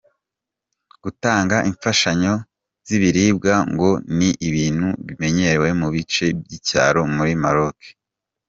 Gutanga imfashanyo z’ibiribwa ngo ni ibintu bimenyerewe mu bice by’icyaro muri Maroc.